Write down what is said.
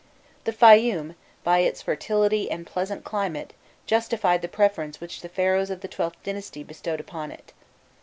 The Fayum, by its fertility and pleasant climate, justified the preference which the Pharaohs of the XIIth dynasty bestowed upon it.